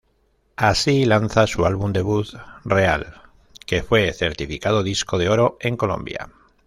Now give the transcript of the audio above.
Así lanza su álbum debut "Real", que fue certificado disco de oro en Colombia.